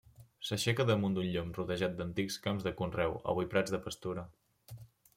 S'aixeca damunt d'un llom rodejat d'antics camps de conreu, avui prats de pastura.